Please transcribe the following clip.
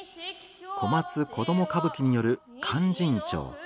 小松子供歌舞伎による「勧進帳」。